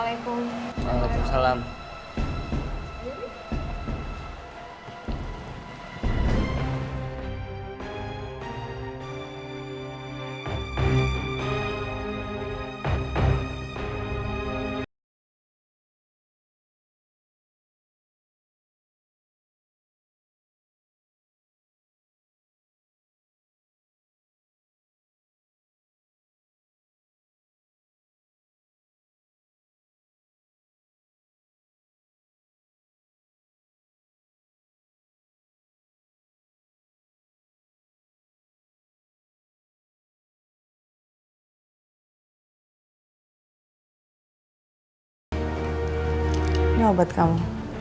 ini obat kamu